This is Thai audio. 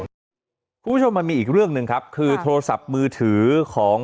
คุณผู้ชมมันมีอีกเรื่องหนึ่งครับคือโทรศัพท์มือถือของ